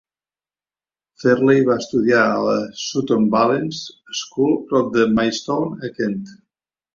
Ferley va estudiar a la Sutton Valence School prop de Maidstone, a Kent.